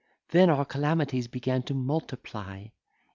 Then our calamities began to multiply.